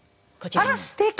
あらすてき！